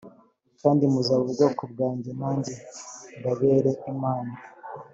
kandi muzaba ubwoko bwanjye nanjye mbabere imana